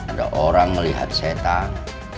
ada orang ngeliat setan